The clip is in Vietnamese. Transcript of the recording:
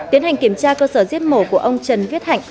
tiến hành kiểm tra cơ sở giết mổ của ông trần viết hạnh